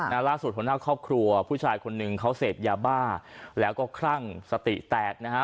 ล่าสุดหัวหน้าครอบครัวผู้ชายคนหนึ่งเขาเสพยาบ้าแล้วก็คลั่งสติแตกนะฮะ